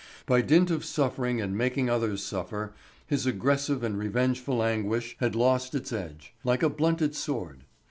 By dint of suffering and making others suffer, his aggressive and revengeful anguish had lost its edge, like a blunted sword.